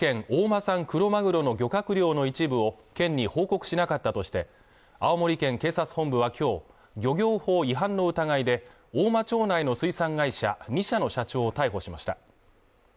産クロマグロの漁獲量の一部を県に報告しなかったとして青森県警察本部はきょう漁業法違反の疑いで大間町内の水産会社２社の社長を逮捕しました